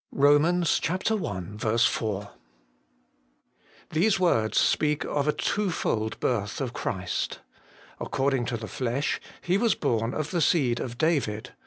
ROM. i. 4. fTIHESE words speak of a twofold birth of Christ. * According to the flesh, He was born of the seed of David.